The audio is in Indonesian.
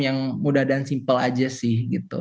yang mudah dan simple aja sih gitu